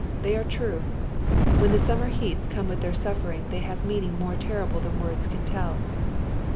They are true. When the summer lieats come with their suffering they have meaning more teiTible tliau words can tell.